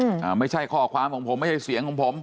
อ่าไม่ใช่ข้อความของผมไม่ใช่เสียงของผม